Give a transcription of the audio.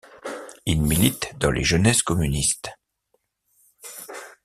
Il milite dans les Jeunesses communistes.